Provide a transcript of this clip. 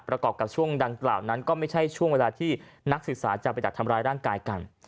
กับช่วงดังกล่าวนั้นก็ไม่ใช่ช่วงเวลาที่นักศึกษาจะไปดักทำร้ายร่างกายกัน